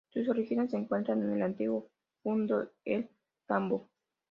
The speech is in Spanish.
Sus orígenes se encuentran en el antiguo Fundo El Tambo.